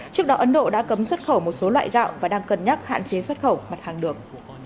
trước đó ấn độ đã cấm xuất khẩu một số loại gạo và đang cân nhắc hạn chế xuất khẩu mặt hàng đường